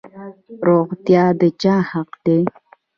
روغتیا د چا حق دی؟